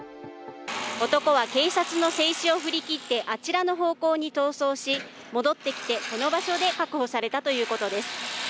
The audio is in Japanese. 男は警察の制止を振り切ってあちらの方向を逃げ、戻ってきて、この場所で確保されたということです。